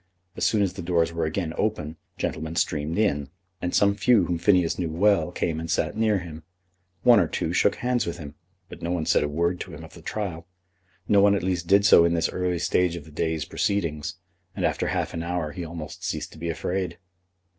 As soon as the doors were again open gentlemen streamed in, and some few whom Phineas knew well came and sat near him. One or two shook hands with him, but no one said a word to him of the trial. No one at least did so in this early stage of the day's proceedings; and after half an hour he almost ceased to be afraid.